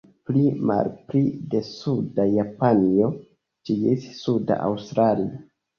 Pli-malpli de suda Japanio ĝis suda Aŭstralio.